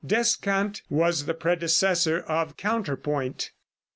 Descant was the predecessor of counterpoint.